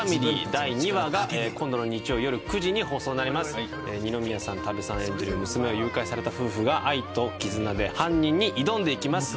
第２話が今度の日曜よる９時に放送になります二宮さん多部さん演じる娘を誘拐された夫婦が愛と絆で犯人に挑んでいきます